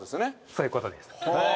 そういうことです。